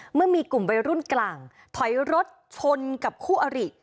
เมื่อมีกลุ่มวัยรุ่นกลางถอยรถชนกับคู่อริ